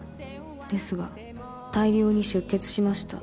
ですが大量に出血しました。